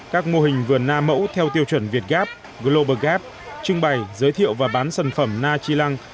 các mô hình vườn na mẫu theo tiêu chuẩn việt gap global gap trưng bày giới thiệu và bán sản phẩm na chi lăng